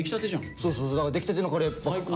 そうそうだから出来たてのカレー。